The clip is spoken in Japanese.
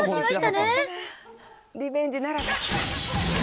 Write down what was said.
リベンジならず。